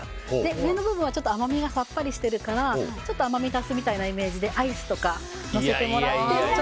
上の部分は甘みがさっぱりしているから甘みを足すみたいなイメージでアイスとかのせてもらって。